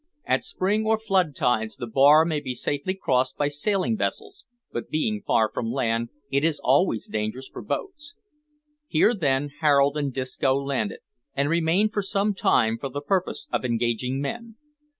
At spring or flood tides the bar may be safely crossed by sailing vessels, but, being far from land, it is always dangerous for boats. Here, then, Harold and Disco landed, and remained for some time for the purpose of engaging men.